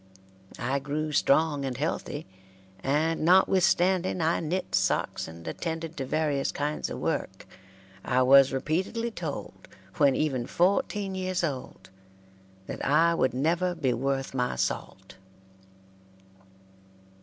I grew strong and healthy, and, notwithstanding I knit socks and attended to various kinds of work, I was repeatedly told, when even fourteen years old, that I would never be worth my salt.